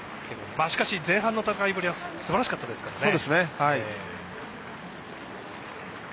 しかし、前半の戦いぶりはすばらしかったですからね。